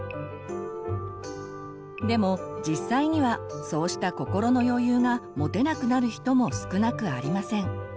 でも実際にはそうした心の余裕が持てなくなる人も少なくありません。